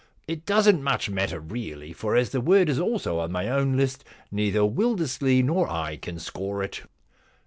* It doesn't much matter really, for as the word is also on my own list neither Wildersley nor I can score it.'